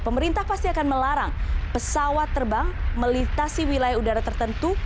pemerintah pasti akan melarang pesawat terbang melintasi wilayah udara tertentu